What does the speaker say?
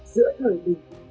giữa thời đỉnh